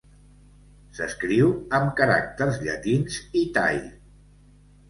S'escriu amb caràcters llatins i tai.